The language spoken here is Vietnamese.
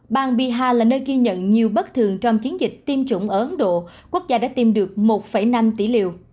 bang bihar là nơi ghi nhận nhiều bất thường trong chiến dịch tiêm chủng ở ấn độ quốc gia đã tiêm được một năm tỷ liều